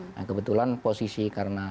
nah kebetulan posisi karena